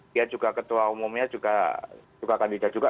dia juga ketua umumnya juga kandidat juga